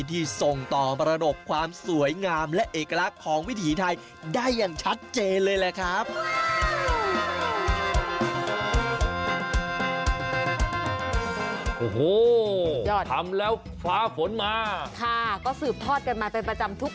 ที่ส่งต่อมรดกความสวยงามและเอกลักษณ์ของวิถีไทยได้อย่างชัดเจนเลยแหละครับ